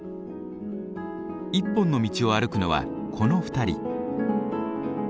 一本の道を歩くのはこの２人。